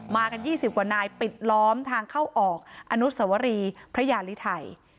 กัน๒๐กว่านายปิดล้อมทางเข้าออกอนุสวรีพระยาลิไทย